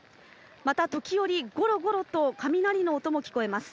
また時折、ごろごろと雷の音も聞こえます。